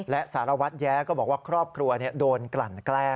และสารวัตรแย้ก็บอกว่าครอบครัวโดนกลั่นแกล้ง